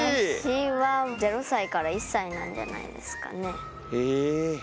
私は０歳から１歳なんじゃないですかね。へえ！